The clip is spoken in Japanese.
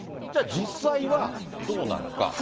じゃあ、実際はどうなのか。